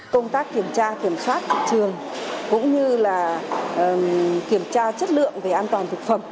công tác kiểm tra kiểm soát thị trường cũng như là kiểm tra chất lượng về an toàn thực phẩm